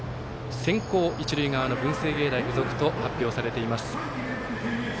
先攻、一塁側の文星芸大付属と発表されています。